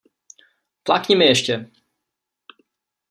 Flákni mi ještě!